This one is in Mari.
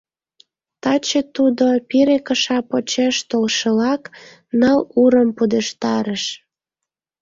Таче тудо, пире кыша почеш толшылак, ныл урым пудештарыш.